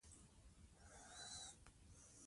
په عمل او خبرو کې یې وښیو.